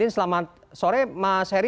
selamat sore mas heri